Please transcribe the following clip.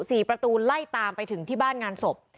สี่ประตูไล่ตามไปถึงที่บ้านงานศพ